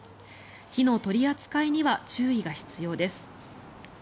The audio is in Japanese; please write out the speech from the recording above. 火の取り扱いには注意が必要です。